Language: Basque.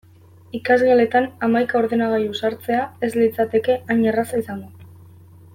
Ikasgeletan hamaika ordenagailu sartzea ez litzateke hain erraza izango.